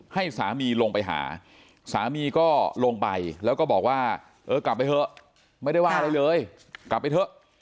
ให้สามีลงไปหาสามีก็ลงไปแล้วก็บอกว่าเออกลับไปเถอะไม่ได้ว่าอะไรเลยกลับไปเถอะ